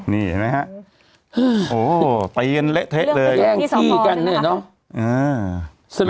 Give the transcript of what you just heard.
นี่เห็นไหมฮะโอ้ไปเย็นเละเทะเลยเรื่องแย่งขี้กันเนี่ยเนอะอ่า